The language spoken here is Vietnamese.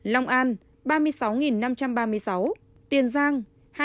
lòng an ba mươi sáu năm trăm ba mươi sáu tiền giang hai mươi bảy trăm tám mươi